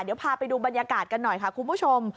เดี๋ยวพาไปดูบรรยากาศกันหน่อยค่ะคุณผู้ชม